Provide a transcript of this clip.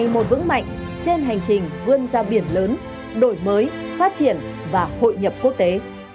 một vững mạnh trên hành trình vươn ra biển lớn đổi mới phát triển và hội nhập quốc tế